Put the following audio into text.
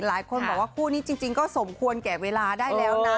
หลายคนบอกว่าคู่นี้จริงก็สมควรแก่เวลาได้แล้วนะ